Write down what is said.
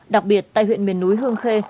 đặc biệt tại huyện miền núi hương khê